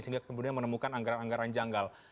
sehingga kemudian menemukan anggaran anggaran janggal